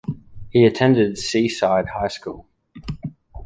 He attended Seaside High School.